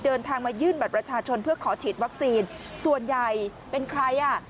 เดินทางมายื่นบัตรประชาชนเพื่อขอฉีดวัคซีนส่วนใหญ่เป็นใครอ่ะ